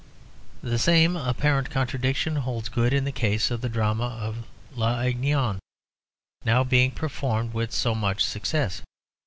The same apparent contradiction holds good in the case of the drama of "L'Aiglon," now being performed with so much success.